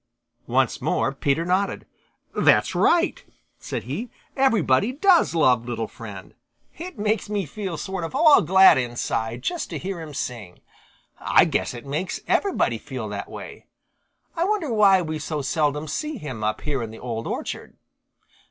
Once more Peter nodded. "That's right," said he. "Everybody does love Little Friend. It makes me feel sort of all glad inside just to hear him sing. I guess it makes everybody feel that way. I wonder why we so seldom see him up here in the Old Orchard."